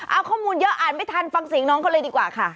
เอาข้อมูลเยอะอ่านไม่ทันฟังเสียงน้องเขาเลยดีกว่าค่ะ